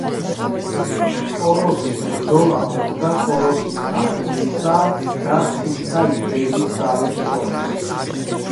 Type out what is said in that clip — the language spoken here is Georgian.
კოროსის ბრძოლა მოხდა კოროსის არმიისა და სითთა იმპერიის ძალებს შორის.